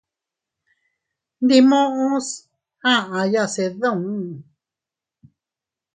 Ndi muʼus aʼaya se duun.